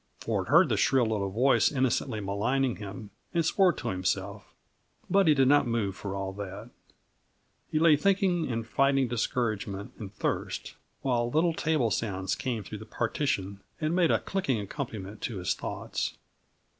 Ford heard the shrill little voice innocently maligning him, and swore to himself; but, he did not move for all that. He lay thinking and fighting discouragement and thirst, while little table sounds came through the partition and made a clicking accompaniment to his thoughts.